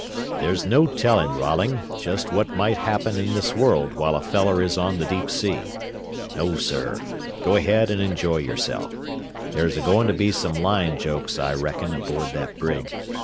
"There's no telling, Rolling, just what might happen in this world while a feller is on the deep sea. No, sir; go ahead and enjoy yourself. There's a goin' to be some line jokes, I reckon, aboard that brig.